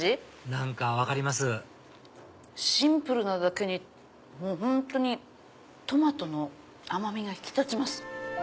何か分かりますシンプルなだけに本当にトマトの甘みが引き立ちます。